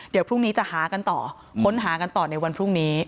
เดี๋ยวพรุ่งนี้จะหากันต่อค้นหากันต่อในวันพรุ่งนี้